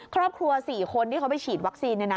ครอบครัว๔คนที่เขาไปฉีดวัคซีน